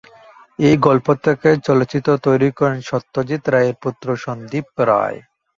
এই গল্প থেকে চলচ্চিত্র তৈরি করেন সত্যজিৎ রায়ের পুত্র সন্দীপ রায়।